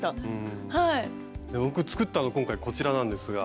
僕作ったの今回こちらなんですが。